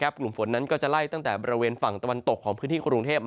กลุ่มฝนนั้นจะใล่